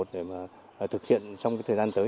để mà thực hiện trong thời gian tới